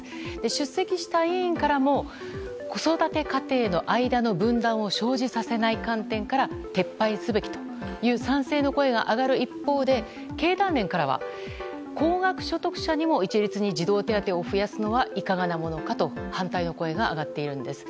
出席した委員からも子育て家庭の間の分断を生じさせない観点から撤廃すべきという賛成の声が上がる一方で経団連からは、高額所得者にも一律に児童手当を増やすのはいかがなものかと反対の声が上がっているんです。